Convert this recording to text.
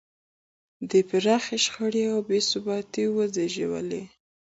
دې پراخې شخړې او بې ثباتۍ وزېږولې.